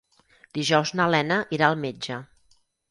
Dijous na Lena irà al metge.